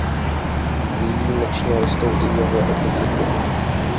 Výjimečně rostou i jako epifyty.